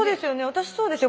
私そうですよ。